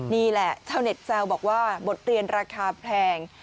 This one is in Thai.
นี่แหละชาวเน็ตแซวบอกว่าบทเรียนราคาแพง